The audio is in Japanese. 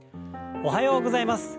おはようございます。